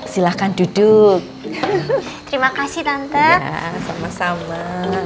silahkan duduk terima kasih tante sama sama